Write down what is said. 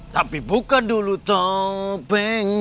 tapi buka dulu topengnya